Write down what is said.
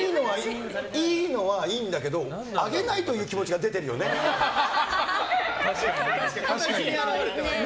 良いのは良いんだけどあげないという気持ちが確かにね。